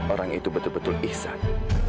orang itu betul betul ihsan